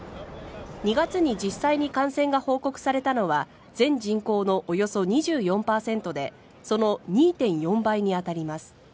２月に実際に感染が報告されたのは全人口のおよそ２４％でその２．４倍に当たります。